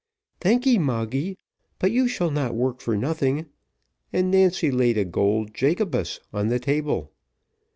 "Thanky, Moggy; but you shall not work for nothing;" and Nancy laid a gold Jacobus on the table.